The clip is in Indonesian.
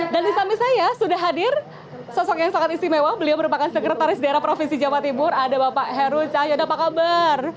dan di samping saya sudah hadir sosok yang sangat istimewa beliau merupakan sekretaris daerah provinsi jawa timur ada bapak heru cahyot apa kabar